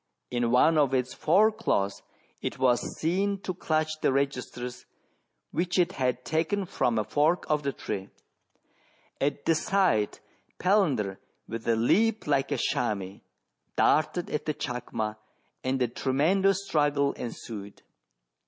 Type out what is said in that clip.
In one of its fore claws it was seen to clutch the registers, which it had taken from a fork of the tree. 224 MERIDIANA ; THE jVDVENTURES OF At the sight, Palander, with a leap like a chamois, darted at the chacma, and a tremendous struggle ensued.